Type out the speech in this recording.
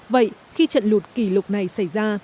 vậy khi trận lụt kỷ lục này xảy ra